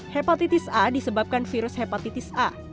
hepatitis a disebabkan virus hepatitis a